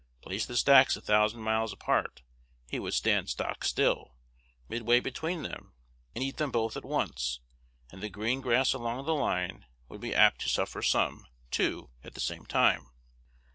Place the stacks a thousand miles apart, he would stand stock still, midway between them, and eat them both at once; and the green grass along the line would be apt to suffer some, too, at the same time.